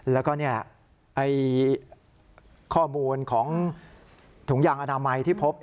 แล้วก็ข้อมูลของถุงยางอนามัยที่พบ